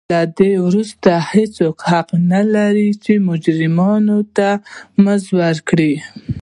له دې وروسته هېڅوک حق نه لري چې مجرمینو ته مزد ورکړي.